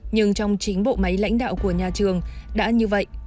nhưng trong chính bộ máy lãnh đạo của nhà trường đã như vậy